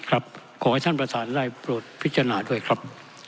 ขอให้ท่านประธานได้โปรดพิจารณาด้วยครับ